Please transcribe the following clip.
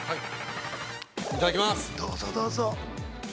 ◆いただきます。